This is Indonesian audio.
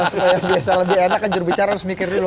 supaya yang biasa lebih enak kan jurubicara harus mikir dulu